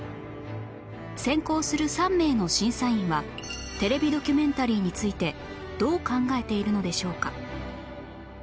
選考する３名の審査員はテレビドキュメンタリーについてどう考えているのでしょうか？